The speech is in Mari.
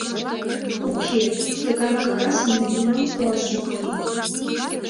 — Уке, тыгай кагазым нигунам пуаш ок лий.